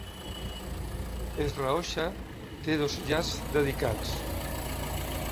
Sraosha té dos yashts dedicats.